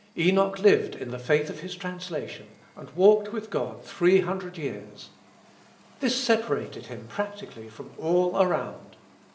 Enoch lived in the faith of his translation, and walked with God three hundred years. This separated him, practically, from all around.